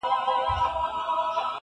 نن دي سترګو کي تصویر را سره خاندي,